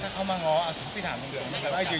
ถ้าเข้ามาง้อต้องไปถามคนสุด